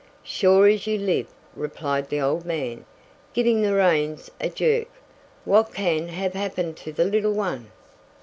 "Sure as you live!" replied the old man, giving the reins a jerk. "What can have happened to the little one?"